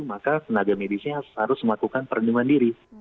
maka tenaga medisnya harus melakukan perlindungan diri